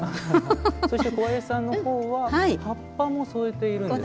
そして小林さんの方は葉っぱも添えているんですね。